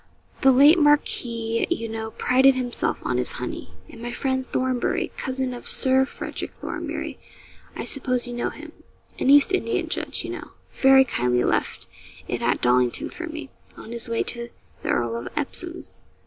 The late marquis, you know, prided himself on his honey and my friend, Thornbury, cousin to Sir Frederick Thornbury I suppose you know him an East Indian judge, you know very kindly left it at Dollington for me, on his way to the Earl of Epsom's.'